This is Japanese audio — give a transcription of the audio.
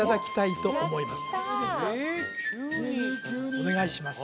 お願いします